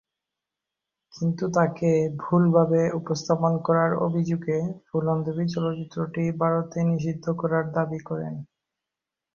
কিন্তু তাকে ভুলভাবে উপস্থাপন করার অভিযোগে ফুলন দেবী চলচ্চিত্রটি ভারতে নিষিদ্ধ করার দাবী করেন।